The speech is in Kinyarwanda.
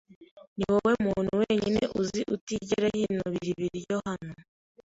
Niwowe muntu wenyine uzi utigera yinubira ibiryo hano.